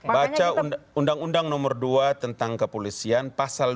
baca undang undang nomor dua tentang kepolisian pasal dua puluh delapan ayat tiga